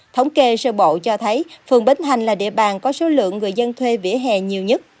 thống kê sơ bộ cho thấy phường bến hành là địa bàn có số lượng người dân thuê vỉa hè nhiều nhất